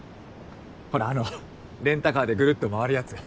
ほらあのレンタカーでぐるっとまわるやつ。